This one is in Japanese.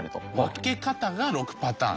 分け方が６パターン。